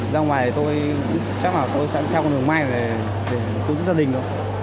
ra ngoài tôi chắc là tôi sẽ theo con đường may để cố giữ gia đình